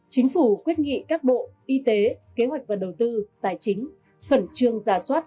chính phủ quyết nghị các bộ y tế kế hoạch và đầu tư tài chính khẩn trương giả soát